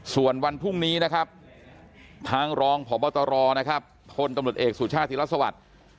ส่วนวันพรุ่งนี้นะครับทางรองพบตรคนตำรวจเอกสุชาติฤทธิ์ลักษณะสวัสดิ์